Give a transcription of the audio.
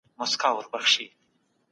حکومت باید عدالت تامین کړي.